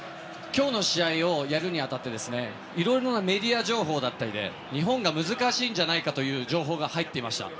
今日の試合をやるに当たっていろいろなメディア情報だったり日本が難しいんじゃないかという情報が入っていました。